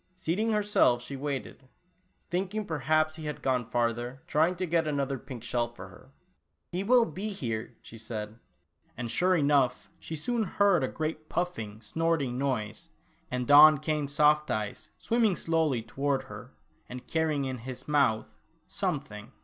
Seating herself she waited, thinking perhaps he had gone farther, trying to get another pink shell for her. "He will be here," she said, and sure enough she soon heard a great puffing, snorting noise, and on came Soft Eyes swim ming slowly toward her, and carrying in his mouth — something.